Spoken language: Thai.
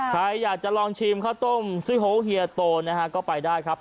ใครอยากจะลองชิมข้าวต้มซี่โฮเฮียโตนะฮะก็ไปได้ครับ